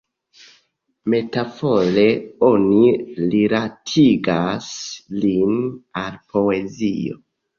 Metafore oni rilatigas lin al poezio.